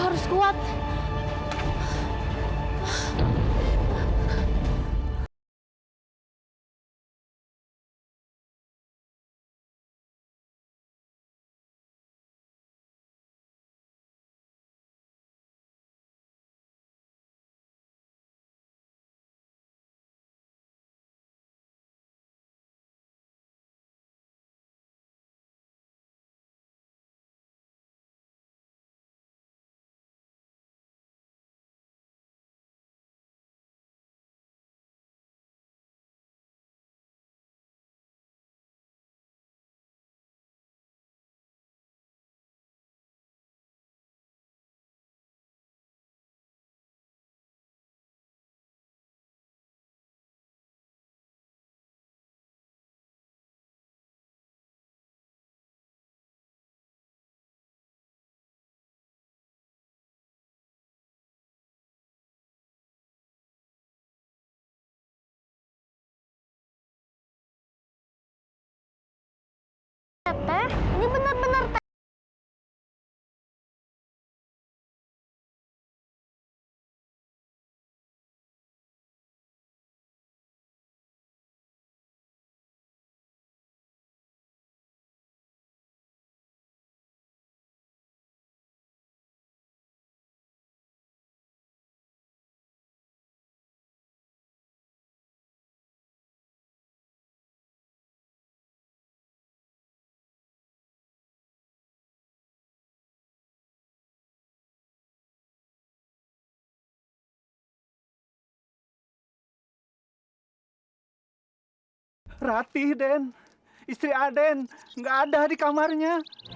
apa rati nggak ada di kamarnya